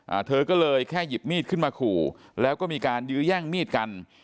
อ่าเธอก็เลยแค่หยิบมีดขึ้นมาขู่แล้วก็มีการยื้อแย่งมีดกัน